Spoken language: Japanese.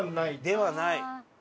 ではない。